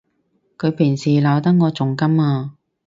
佢平時鬧得我仲甘啊！